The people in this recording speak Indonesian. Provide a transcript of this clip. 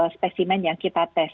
spesimen yang kita tes